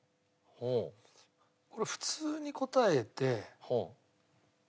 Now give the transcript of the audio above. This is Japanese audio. これ普通に答えて。